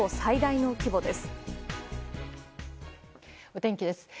お天気です。